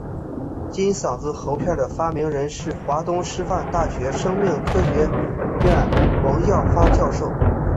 金嗓子喉片的发明人是华东师范大学生命科学学院王耀发教授。